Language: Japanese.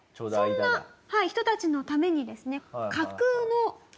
そんな人たちのためにですね。